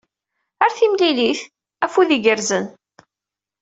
Ar timlilit, afud igerrzen.